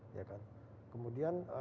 ya kan kemudian